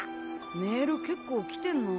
メール結構来てんな。